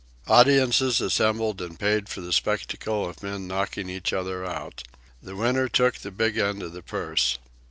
Audiences assembled and paid for the spectacle of men knocking each other out. The winner took the big end of the purse.